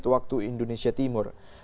pesawat ini telah dilakukan kontak